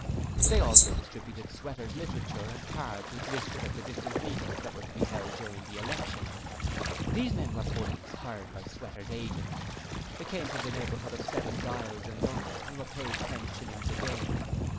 They also distributed Sweater literature and cards with lists of the different meetings that were to be held during the election. These men were bullies hired by Sweater's agent. They came from the neighbourhood of Seven Dials in London and were paid ten shillings a day.